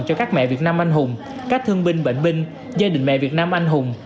cho các mẹ việt nam anh hùng các thương binh bệnh binh gia đình mẹ việt nam anh hùng